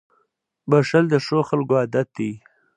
• بښل د ښو خلکو عادت دی.